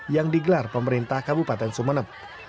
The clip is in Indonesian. yang digelar pemerintah kabupaten sumeneb